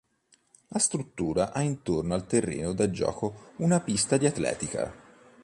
La struttura ha intorno al terreno da gioco una pista di atletica.